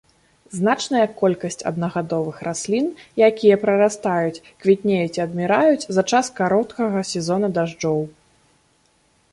Значная колькасць аднагадовых раслін, якія прарастаюць, квітнеюць і адміраюць за час кароткага сезона дажджоў.